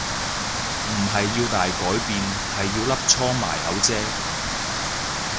唔係要大改變係要粒瘡埋口啫